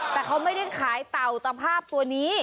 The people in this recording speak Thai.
แต่เขาไม่ได้ขายเต่าตะภาพตัวนี้